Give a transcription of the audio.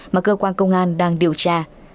mà cơ quan công an đang điều tra